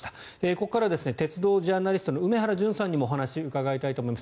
ここからは鉄道ジャーナリストの梅原淳さんにもお話をお伺いしたいと思います。